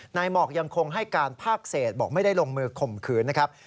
หมอกยังคงให้การภาคเศษบอกไม่ได้ลงมือข่มขืนนะครับ